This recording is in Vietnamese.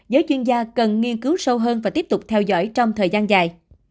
giới chuyên gia cần nghiên cứu sâu hơn và tiếp tục theo dõi trong thời gian dài